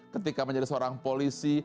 ketika menjadi seorang polisi